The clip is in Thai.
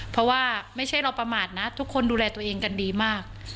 เพราะว่าไม่ใช่เราประมาทนะทุกคนดูแลตัวเองกันดีมาก